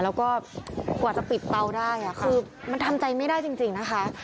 แล้วก็กว่าจะปิดเตาได้คือมันทำใจไม่ได้จริงนะคะ